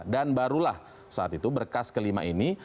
dan barulah saat itu berkas kelima ini